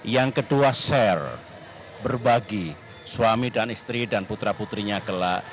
yang kedua share berbagi suami dan istri dan putra putrinya kelak